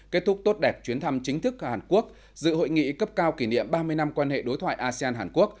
kết thúc tốt đẹp chuyến thăm chính thức hàn quốc dự hội nghị cấp cao kỷ niệm ba mươi năm quan hệ đối thoại asean hàn quốc